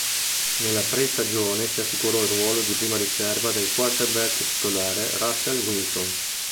Nella pre-stagione si assicurò il ruolo di prima riserva del quarterback titolare Russell Wilson.